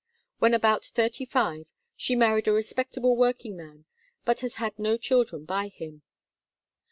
When about thirty five, she married a respect able workingman but has had no children by him.